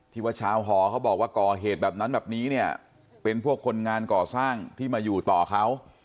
ว่าชาวหอเขาบอกว่าก่อเหตุแบบนั้นแบบนี้เนี่ยเป็นพวกคนงานก่อสร้างที่มาอยู่ต่อเขา